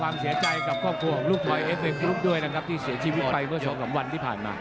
ต้องเสียใจกับความปกโครงของลูกทอยเอฟเอฟกรุ๊ปด้วยนะครับที่เสียชีวิตไปเพื่อส่งกับวันที่ผ่านมา